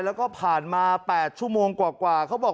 แล้วก็ผ่านมา๘ชั่วโมงกว่าเขาบอก